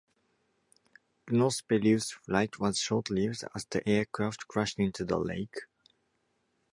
Gnosspelius's flight was short-lived as the aircraft crashed into the lake.